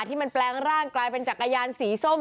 ที่มันแปลงร่างกลายเป็นจักรยานสีส้ม